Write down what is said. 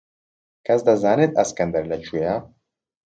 کەس دەزانێت ئەسکەندەر لەکوێیە؟